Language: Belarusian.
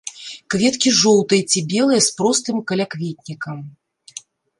Кветкі жоўтыя ці белыя з простым калякветнікам.